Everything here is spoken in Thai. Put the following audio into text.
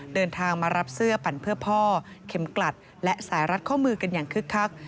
เดินทางมารับเสื้อปั่นเพื่อพ่อเข็มกลัดและสายรัดข้อมือกันอย่างคึกคัก